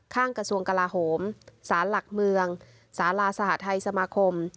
กระทรวงกลาโหมศาลหลักเมืองสาราสหทัยสมาคม